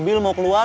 mobil mau keluar